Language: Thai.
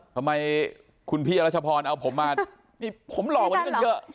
ทำไมคุณพี่อรัชพรเอาผมมานี่ผมหลอกวันนี้ตั้งเยอะ